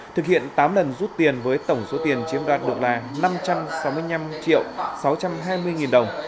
thực hiện tám lần rút tiền với tổng số tiền chiếm đoạt được là năm trăm sáu mươi năm triệu sáu trăm hai mươi nghìn đồng